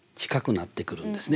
なってくるんですね。